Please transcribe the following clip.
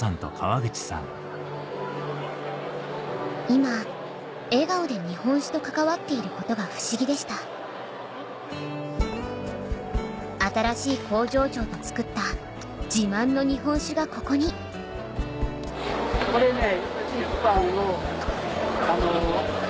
今笑顔で日本酒と関わっていることが不思議でした新しい工場長と造った自慢の日本酒がここにこれね。